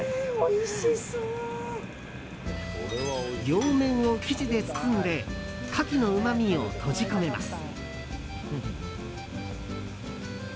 両面を生地で包んでカキのうまみを閉じ込めます。